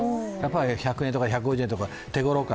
１００円とか１５０円とか手頃感。